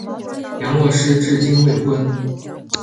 梁洛施至今未婚。